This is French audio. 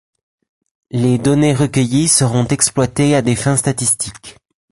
Les données recueillies seront exploitées à des fins statistiques.